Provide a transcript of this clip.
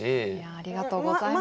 ありがとうございます。